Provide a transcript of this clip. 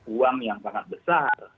uang yang sangat besar